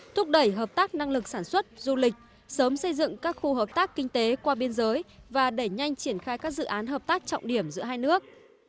thúc đẩy hợp tác năng lực sản xuất du lịch sớm xây dựng các khu hợp tác kinh tế qua biên giới và đẩy nhanh triển khai các dự án hợp tác trọng điểm giữa hai nước